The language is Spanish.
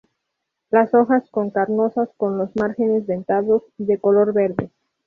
Las hojas con carnosas con los márgenes dentados y de color verde.